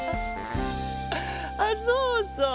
あっそうそう